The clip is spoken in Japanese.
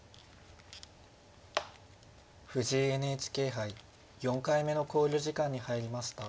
藤井ＮＨＫ杯４回目の考慮時間に入りました。